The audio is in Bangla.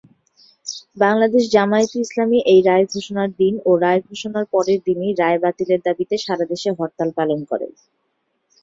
বাংলাদেশ জামায়াতে ইসলামী এই রায় ঘোষণার দিন ও রায় ঘোষণার পরের দিনই রায় বাতিলের দাবিতে সারা দেশে হরতাল পালন করে।